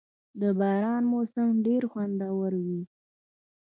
• د باران موسم ډېر خوندور وي.